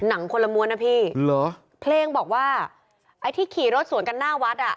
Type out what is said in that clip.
คนละม้วนนะพี่เหรอเพลงบอกว่าไอ้ที่ขี่รถสวนกันหน้าวัดอ่ะ